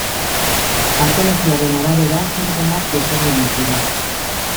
Patologiaren arabera sintomak desberdinak dira.